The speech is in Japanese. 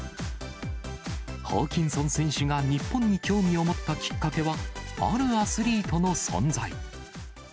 ホーキンソン選手が日本に興味を持ったきっかけは、あるアスリートの存在。